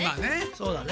そうだね